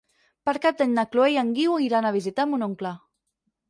Per Cap d'Any na Chloé i en Guiu iran a visitar mon oncle.